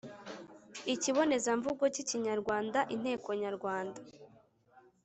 ikibonezamvugo, cy’Ikinyarwandainteko, Nyarwanda